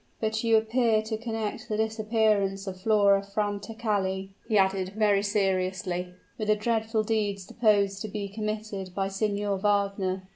But you appear to connect the disappearance of Flora Francatelli," he added, very seriously, "with the dreadful deed supposed to be committed by Signor Wagner!"